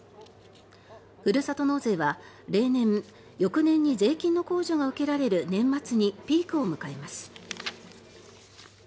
ふるさと納税は、例年翌年に税金の控除が受けられる年末にピークを迎えます。